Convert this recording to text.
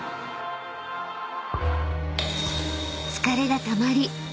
［疲れがたまり